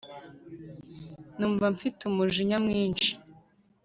numva mfite umujinya mwinshi